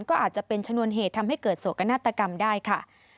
ก็อาจจะเป็นชนวนเหตุทำให้เกิดโศกนาฏกรรมได้ค่ะ